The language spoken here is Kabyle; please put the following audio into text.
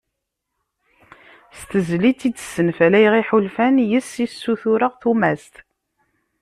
"S tezlit i d-senfalayeɣ iḥulfan, yis-s i ssutureɣ tumast."